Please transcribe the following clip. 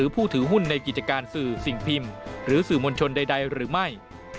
ผู้ถือหุ้นในกิจการสื่อสิ่งพิมพ์หรือสื่อมวลชนใดหรือไม่